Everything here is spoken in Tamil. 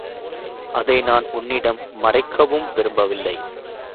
அதை நான் உன்னிடம் மறைக்கவும் விரும்பவில்லை.